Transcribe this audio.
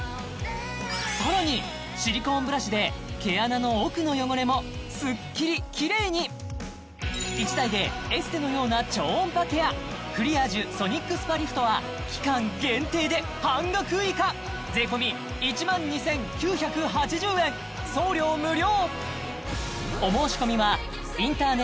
さらにシリコーンブラシで毛穴の奥の汚れもスッキリキレイに１台でエステのような超音波ケアクリアージュソニックスパリフトは期間限定で半額以下送料無料！